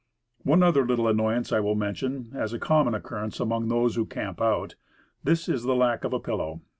One other little annoyance I will mention, as a common occurrence among those who camp out; this is the lack of a pillow.